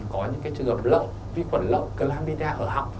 có những trường hợp lậu vi khuẩn lậu calamida ở hạng